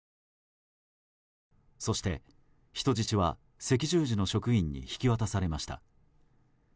そして、人質は赤十字の職員に引き渡されました。